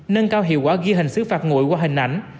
nâng cao hiệu quả ghi hình xứ phạt ngụy qua hình ảnh